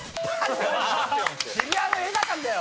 渋谷の映画館だよ！